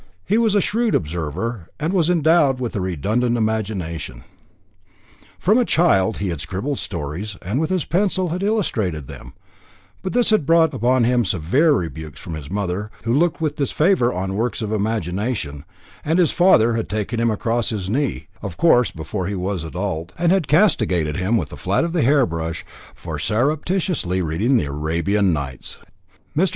He was a shrewd observer, and was endowed with a redundant imagination. From a child he had scribbled stories, and with his pencil had illustrated them; but this had brought upon him severe rebukes from his mother, who looked with disfavour on works of imagination, and his father had taken him across his knee, of course before he was adult, and had castigated him with the flat of the hairbrush for surreptitiously reading the Arabian Nights. Mr.